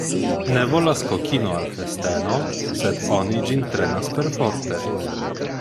Ne volas kokino al festeno, sed oni ĝin trenas perforte.